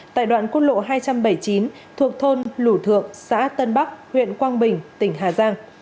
tại đoạn quốc lộ hai trăm bảy mươi chín thuộc thôn lũ thượng xã tân bắc huyện quang bình tỉnh hà giang